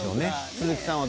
鈴木さんは？